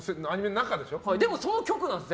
でも、その局なんです。